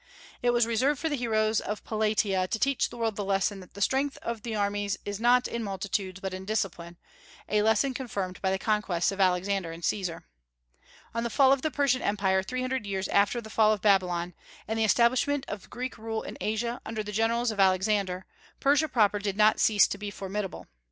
It was reserved for the heroes of Plataea to teach the world the lesson that the strength of armies is not in multitudes but in discipline, a lesson confirmed by the conquests of Alexander and Caesar. On the fall of the Persian Empire three hundred years after the fall of Babylon, and the establishment of the Greek rule in Asia under the generals of Alexander, Persia proper did not cease to be formidable.